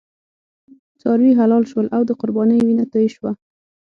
څاروي حلال شول او د قربانۍ وینه توی شوه.